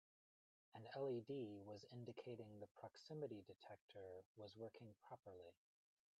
An LED was indicating the proximity detector was working properly.